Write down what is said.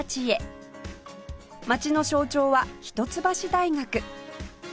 街の象徴は一橋大学